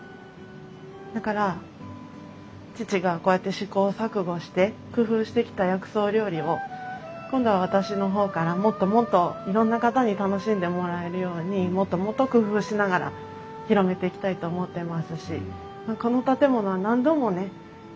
だから父がこうやって試行錯誤して工夫してきた薬草料理を今度は私の方からもっともっといろんな方に楽しんでもらえるようにもっともっと工夫しながら広めていきたいと思ってますしこの建物は何度もね